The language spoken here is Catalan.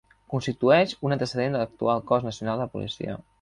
Constitueix un antecedent de l'actual Cos Nacional de Policia.